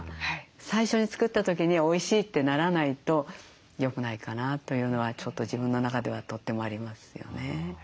最初に作った時においしいってならないとよくないかなというのはちょっと自分の中ではとってもありますよね。